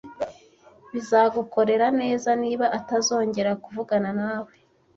Bizagukorera neza niba atazongera kuvugana nawe.